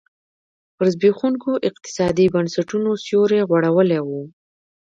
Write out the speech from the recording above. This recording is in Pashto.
پر زبېښونکو اقتصادي بنسټونو سیوری غوړولی و.